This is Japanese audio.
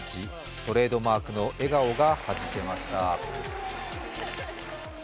トレードマークの笑顔がはじけました。